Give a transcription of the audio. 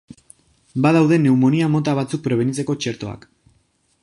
Badaude pneumonia mota batzuk prebenitzeko txertoak.